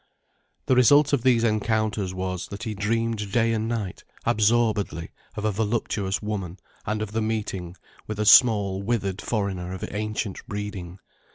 The result of these encounters was, that he dreamed day and night, absorbedly, of a voluptuous woman and of the meeting with a small, withered foreigner of ancient breeding.